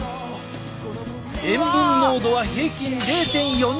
塩分濃度は平均０．４２％。